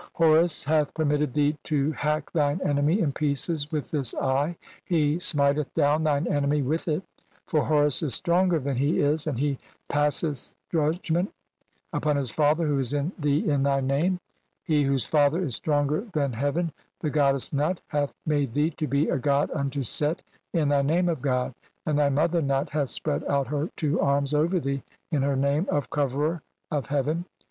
"Horus hath permitted thee to hack thine enemy in "pieces with this [eye], he smiteth down thine enemy "with it, for Horus is stronger than he is, and he "passeth judgment upon his father who is in thee in "thy name 'He whose father is stronger than hea "ven\ The goddess Nut hath made thee to be a god "unto Set in thy name of God, and thy mother Nut "hath spread out her two arms over thee in her name "of 'Coverer of heaven'.